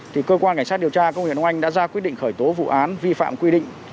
thì cơ quan ngành sát điều tra công nghiệp đông anh đã ra quyết định khởi tố vụ án vi phạm quy định